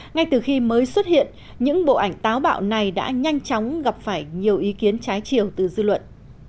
ngay từ khi mới xuất hiện những bộ ảnh táo bạo này đã nhanh chóng gặp phải nhiều ý kiến trái chiều từ dư luận